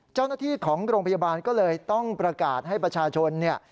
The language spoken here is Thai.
เจ้าหน้าที่ของโรงพยาบาลก็เลยต้องประกาศให้ประชาชนเนี่ย